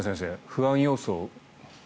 不安要素。